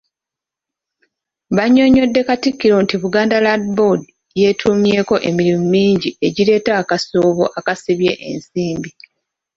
Bannyonnyodde Katikkiro nti Buganda Land Board yeetuumyeeko emirimu mingi egireeta akasoobo akasibye ensimbi.